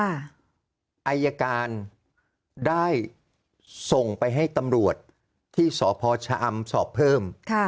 อายการได้ส่งไปให้ตำรวจที่สพชะอำสอบเพิ่ม